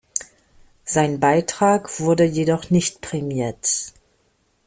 Sein Beitrag wurde jedoch nicht prämiert.